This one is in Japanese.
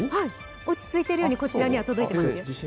落ち着いているように、こちらには届いていますよ。